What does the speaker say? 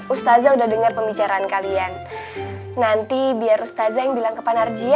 ustazah udah dengar pembicaraan kalian nanti biar ustazah yang bilang ke panarji